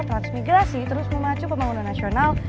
transmigrasi terus memacu pembangunan nasional